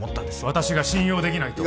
私が信用できないと？